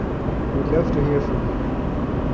We’d love to hear from you.